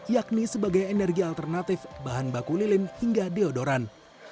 yakni sebagai energi alternatif bahan baku lilin hingga deodoran